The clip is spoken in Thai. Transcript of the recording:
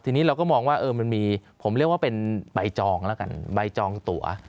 ทีนี้เราก็มองว่ามันมีผมเรียกว่าเป็นใบจองแล้วกันใบจองตัว